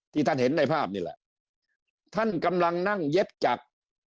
ท่านเห็นในภาพนี่แหละท่านกำลังนั่งเย็บจาก